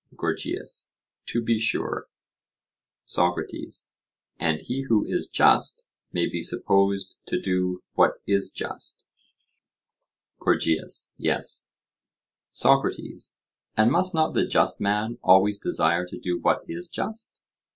GORGIAS: To be sure. SOCRATES: And he who is just may be supposed to do what is just? GORGIAS: Yes. SOCRATES: And must not the just man always desire to do what is just?